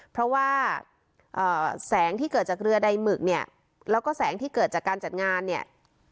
เพราะว่าแสงที่เกิดจากเรือใดหมึกเนี่ยแล้วก็แสงที่เกิดจากการจัดงานเนี่ย